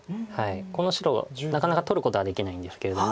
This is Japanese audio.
この白なかなか取ることはできないんですけれども。